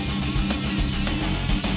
terima kasih chandra